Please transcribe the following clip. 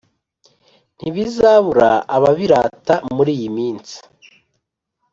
ntibizabura ababirata muriyiminsi